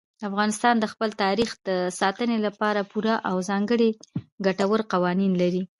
افغانستان د خپل تاریخ د ساتنې لپاره پوره او ځانګړي ګټور قوانین لري.